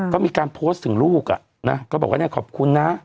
ก็มีการโพสต์ถึงลูกอ่ะนะก็บอกว่าเนี่ยขอบคุณนะ